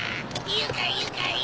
ゆかいゆかい！